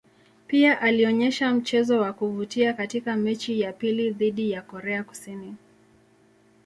Pia alionyesha mchezo wa kuvutia katika mechi ya pili dhidi ya Korea Kusini.